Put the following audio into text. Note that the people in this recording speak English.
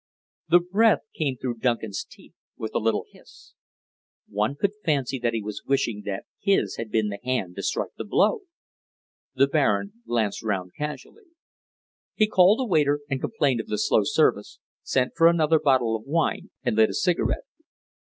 The breath came through Duncan's teeth with a little hiss. One could fancy that he was wishing that his had been the hand to strike the blow. The Baron glanced round casually. He called a waiter and complained of the slow service, sent for another bottle of wine, and lit a cigarette.